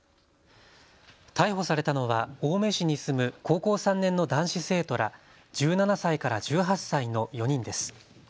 逮捕されたのは青梅市に住む高校３年の男子生徒ら１７歳から１８歳の４人です。